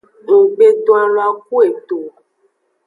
Nggbe don alon a ku eto o.